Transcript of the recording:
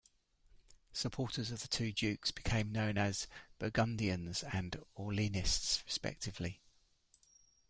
Supporters of the two dukes became known as "Burgundians" and "Orleanists", respectively.